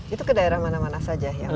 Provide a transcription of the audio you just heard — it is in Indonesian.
itu ke daerah mana mana saja yang